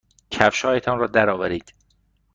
کفشهایتان را درآورید.